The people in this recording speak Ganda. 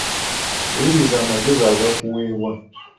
Wuliriza amagezi agakuweebwa.